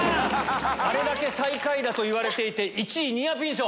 あれだけ最下位だと言われていて１位ニアピン賞。